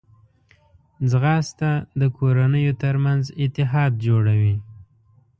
ځغاسته د کورنیو ترمنځ اتحاد جوړوي